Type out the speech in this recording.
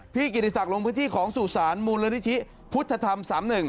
กิติศักดิ์ลงพื้นที่ของสู่สารมูลนิธิพุทธธรรม๓๑